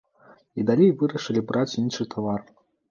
І далей вырашылі браць іншы тавар.